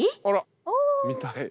あら見たい。